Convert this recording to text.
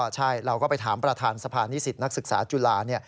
ใช่เราก็ไปถามประธานสภานิสิตนักศึกษาจุฬา